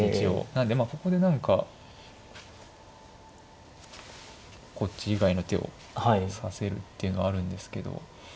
なのでまあここで何かこっち以外の手を指せるっていうのはあるんですけど。